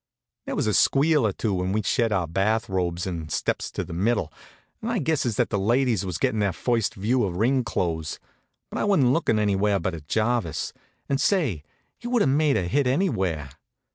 There was a squeal or two when we sheds our bath robes and steps to the middle, and I guesses that the ladies was gettin' their first view of ring clothes. But I wasn't lookin' anywhere but at Jarvis. And say, he would have made a hit anywhere.